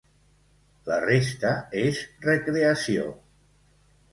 La resta és recreació.